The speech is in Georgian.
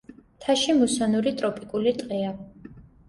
მთაში მუსონური ტროპიკული ტყეა.